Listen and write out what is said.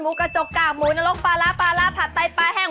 กระจกกากหมูนรกปลาร้าปลาร้าผัดไต้ปลาแห้ง